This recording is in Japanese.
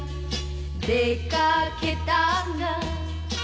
「出掛けたが」